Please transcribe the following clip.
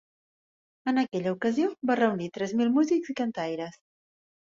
En aquella ocasió va reunir tres mil músics i cantaires.